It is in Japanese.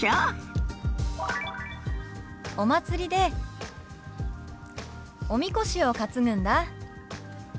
「お祭りでおみこしを担ぐんだ」。